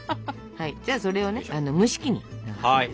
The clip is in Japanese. じゃあそれを蒸し器に流します。